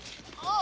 あ？